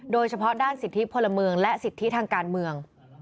โดยเฉพาะด้านสิทธิพลเมืองและสิทธิทางการเมือง